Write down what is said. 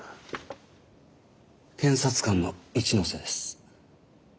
検察官の一ノ瀬です。